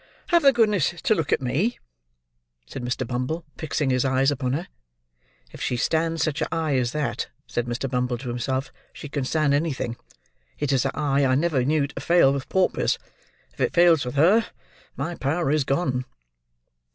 "Have the goodness to look at me," said Mr. Bumble, fixing his eyes upon her. "If she stands such a eye as that," said Mr. Bumble to himself, "she can stand anything. It is a eye I never knew to fail with paupers. If it fails with her, my power is gone."